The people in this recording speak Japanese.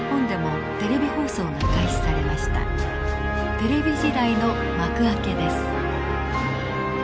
テレビ時代の幕開けです。